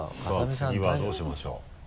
さぁ次はどうしましょう？